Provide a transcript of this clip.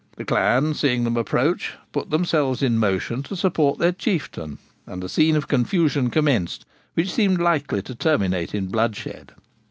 The clan, seeing them approach, put themselves in motion to support their Chieftain, and a scene of confusion commenced which seamed likely to terminate in bloodshed.